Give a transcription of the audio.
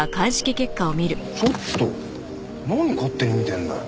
ちょっと何勝手に見てんだよ。